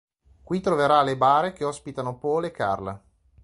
Qui troverà le bare che ospitano Paul e Carla.